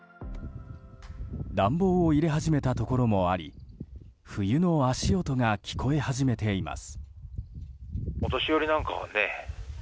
暖房を入れ始めたところもあり冬の足音が聞こえ始めています。